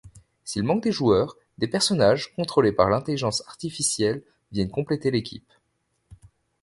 S'il manque des joueurs, des personnages contrôlés par l'intelligence artificielle viennent compléter l'équipe.